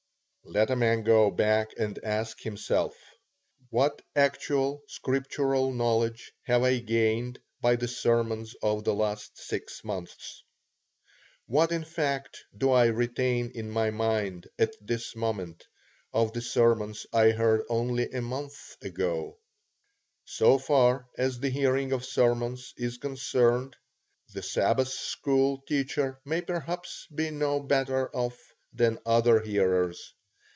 Let a man go back and ask himself, What actual scriptural knowledge have I gained by the sermons of the last six months? What in fact do I retain in my mind, at this moment, of the sermons I heard only a month ago? So far as the hearing of sermons is concerned, the Sabbath school teacher may perhaps be no better off than other hearers.